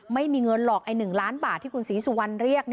ไม่มีเงินหรอกไอ้๑ล้านบาทที่คุณศรีสุวรรณเรียก